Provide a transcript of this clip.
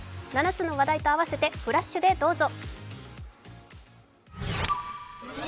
７つの話題と合わせてフラッシュでどうぞ。